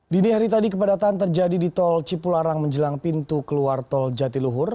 dini hari tadi kepadatan terjadi di tol cipularang menjelang pintu keluar tol jatiluhur